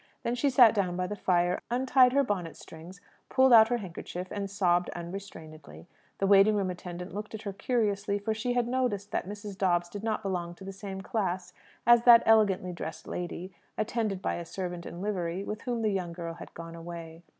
Then she sat down by the fire, untied her bonnet strings, pulled out her handkerchief, and sobbed unrestrainedly. The waiting room attendant looked at her curiously; for she had noticed that Mrs. Dobbs did not belong to the same class as that elegantly dressed lady, attended by a servant in livery, with whom the young girl had gone away.